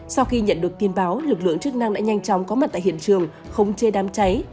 sau khi nhận được tin báo lực lượng chức năng đã nhanh chóng có mặt tại hiện trường khống chế đám cháy